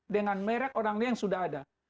dengan merek orang lain yang sudah ada